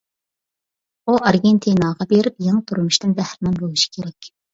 ئۇ ئارگېنتىناغا بېرىپ يېڭى تۇرمۇشتىن بەھرىمەن بولۇشى كېرەك.